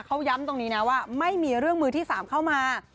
เขาย้ำตรงนี้นะว่าไม่มีเรื่องมือที่๓เข้ามา